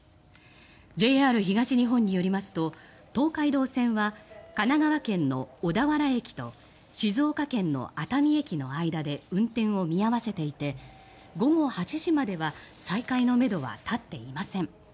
ＪＲ東日本によりますと東海道線は神奈川県の小田原駅と静岡県の熱海駅の間で運転を見合わせていて午後８時までは再開のめどは立っていません。